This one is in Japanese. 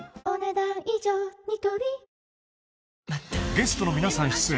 ゲストの皆さん出演